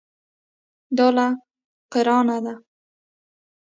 دا له قرانه ده.